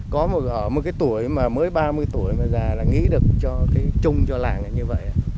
có một cái tuổi mới ba mươi tuổi mà già là nghĩ được cho cái chung cho làng là như vậy